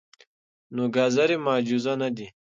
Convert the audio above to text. نو ګازرې معجزه نه دي.